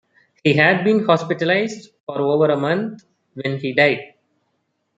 He had been hospitalized for over a month when he died.